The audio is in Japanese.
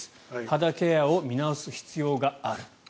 肌ケアを見直す必要がある。